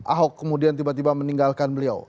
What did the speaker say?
ahok kemudian tiba tiba meninggalkan beliau